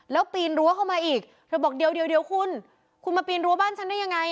แล้วปีนรั้วเข้ามาอีกเธอบอกเดี๋ยวคุณคุณมาปีนรั้วบ้านฉันได้ยังไง